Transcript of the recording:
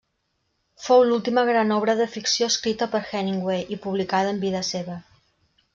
Fou l'última gran obra de ficció escrita per Hemingway i publicada en vida seva.